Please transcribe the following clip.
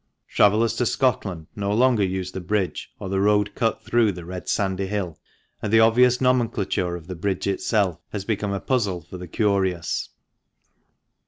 Travellers to Scotland no longer use the bridge or the road cut through the red sandy hill, and the obvious nomenclature of the bridge itself has become a puzzle for the curious.